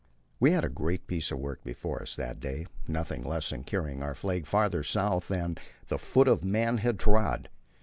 We had a great piece of work before us that day nothing less than carrying our flag farther south than the foot of man had trod.